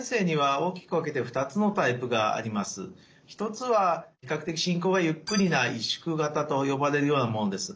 １つは比較的進行がゆっくりな萎縮型と呼ばれるようなものです。